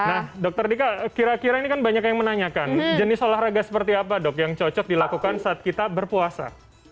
nah dokter dika kira kira ini kan banyak yang menanyakan jenis olahraga seperti apa dok yang cocok dilakukan saat kita berpuasa